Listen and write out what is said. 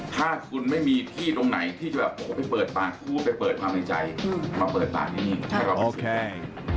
ถ้าคุณไม่มีที่ตรงไหนที่จะแบบโอ้โหไปเปิดปากพูดไปเปิดความในใจมาเปิดปากนี่ใช่ก็โอเค